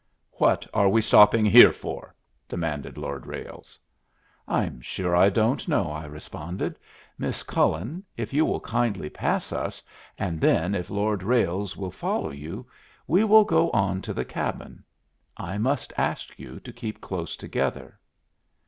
"What are we stopping here for?" snapped Lord Ralles. "I'm sure I don't know," I responded. "Miss Cullen, if you will kindly pass us, and then if Lord Ralles will follow you, we will go on to the cabin. I must ask you to keep close together."